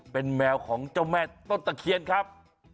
เป็นแมวของเจ้าแม่ต้นตะเคียนครับ